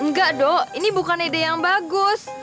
enggak dok ini bukan ide yang bagus